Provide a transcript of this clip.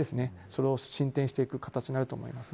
それを進展していく形になると思います。